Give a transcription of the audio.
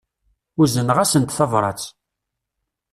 Uzneɣ-asent tabrat.